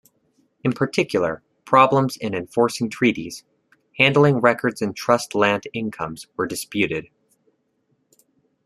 In particular, problems in enforcing treaties, handling records and trust land incomes were disputed.